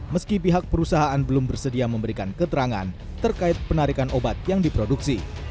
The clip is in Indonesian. meski pihak perusahaan belum bersedia memberikan keterangan terkait penarikan obat yang diproduksi